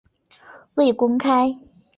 未公开